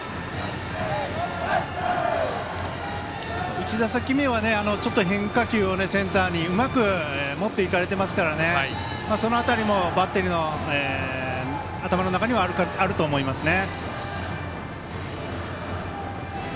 １打席目は、ちょっと変化球をセンターにうまく持っていかれてますからねその辺りもバッテリーの頭の中にはあると思いますね。